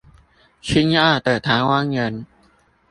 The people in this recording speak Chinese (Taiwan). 親愛的臺灣人